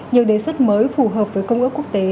nhiều đề xuất mới phù hợp với công ước quốc tế